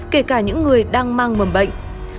kể cả những người đang mang mầm bệnh